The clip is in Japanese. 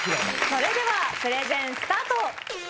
それではプレゼンスタート！